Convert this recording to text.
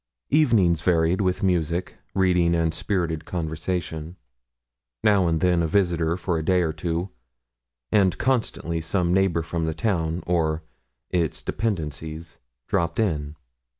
Evenings varied with music, reading, and spirited conversation. Now and then a visitor for a day or two, and constantly some neighbour from the town, or its dependencies, dropt in.